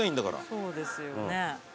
そうですよね。